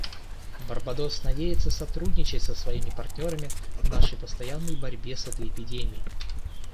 Барбадос надеется сотрудничать со своими партнерами в нашей постоянной борьбе с этой эпидемией.